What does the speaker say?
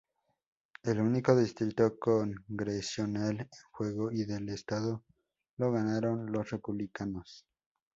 El único distrito congresional en juego y del estado, lo ganaron los Republicanos.